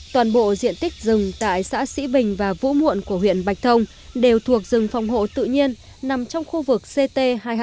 toàn bộ diện tích rừng tại xã sĩ bình và vũ muộn của huyện bạch thông đều thuộc rừng phòng hộ tự nhiên nằm trong khu vực ct hai trăm hai mươi